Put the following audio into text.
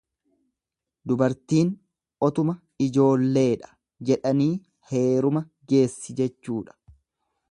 Dubartiin otuma ijoolleedha jedhanii heeruma geessi jechuudha.